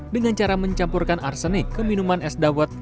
dengan cara mencampurkan arsenik ke minuman es dawet